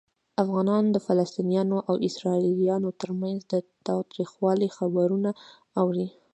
افغانان د فلسطینیانو او اسرائیلیانو ترمنځ د تاوتریخوالي خبرونه اوري.